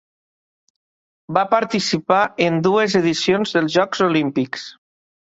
Va participar en dues edicions dels Jocs Olímpics.